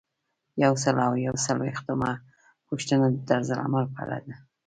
یو سل او یو څلویښتمه پوښتنه د طرزالعمل په اړه ده.